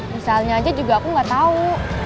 misalnya aja juga aku gak tau